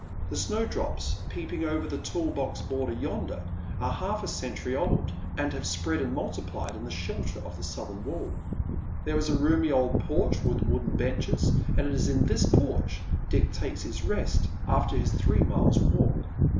The snowdrops peeping over the tall box border yonder are half a century old, and have spread and multiplied in the shelter of the southern wall. There is a roomy old porch with wooden benches, and it is in this porch Dick takes his rest after his three miles walk.